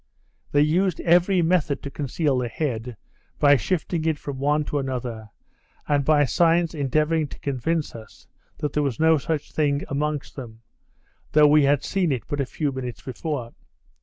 They used every method to conceal the head, by shifting it from one to another; and by signs endeavouring to convince us, that there was no such thing amongst them, though we had seen it but a few minutes before.